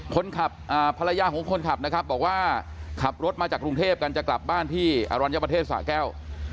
ภรรยาของคนขับนะครับบอกว่าขับรถมาจากกรุงเทพกันจะกลับบ้านที่อรัญญประเทศสะแก้ว